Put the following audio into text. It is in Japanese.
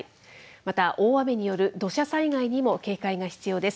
また、大雨による土砂災害にも警戒が必要です。